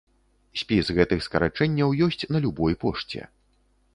Спіс гэтых скарачэнняў ёсць на любой пошце.